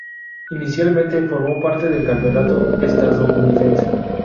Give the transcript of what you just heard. Inicialmente formó parte del campeonato estadounidense.